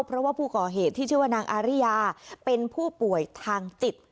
เพราะว่าผู้ก่อเหตุที่ชื่อว่านางอาริยาเป็นผู้ป่วยทางจิต